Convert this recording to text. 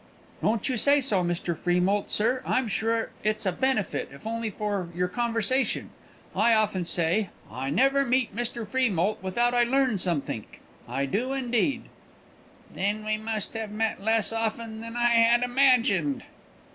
"Don't you say so, Mr. Freemoult, sir. I'm sure it's a benefit, if only for your conversation. I often say, 'I never meet Mr. Freemoult without I learn somethink;' I do indeed." "Then we must have met less often than I had imagined."